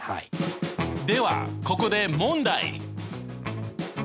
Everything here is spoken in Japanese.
ではここで問題！